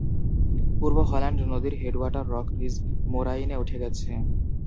পূর্ব Holland নদীর headwater Oak ridge মোরাইনে উঠে গেছে।